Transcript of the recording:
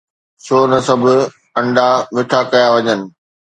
ڇو نه سڀ انڊا مٺا ڪيا وڃن؟